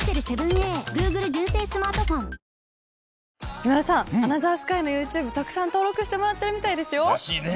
今田さん『アナザースカイ』のＹｏｕＴｕｂｅたくさん登録してもらってるみたいですよ。らしいね。